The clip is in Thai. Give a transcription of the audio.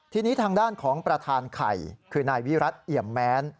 ทีนี้ทางด้านของประธานไข่คือนายวิรัติเอี่ยมแม้น